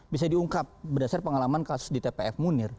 bisa diungkap berdasar pengalaman kasus di tpf munir